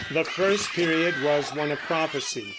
The first period was one of prophecy.